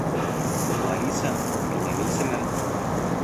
Лариса минең исемем.